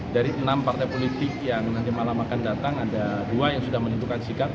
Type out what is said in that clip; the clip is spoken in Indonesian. dari enam partai politik yang nanti malam akan datang ada dua yang sudah menentukan sikap